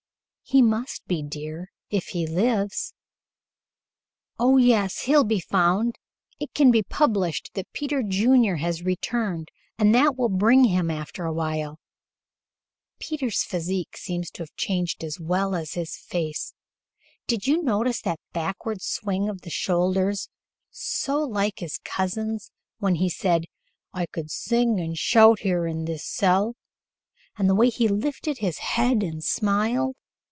"He must be, dear, if he lives." "Oh, yes. He'll be found. It can be published that Peter Junior has returned, and that will bring him after a while. Peter's physique seems to have changed as well as his face. Did you notice that backward swing of the shoulders, so like his cousin's, when he said, 'I could sing and shout here in this cell'? And the way he lifted his head and smiled?